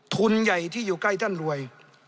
ทุนใหญ่ที่อยู่ใกล้ท่านรวย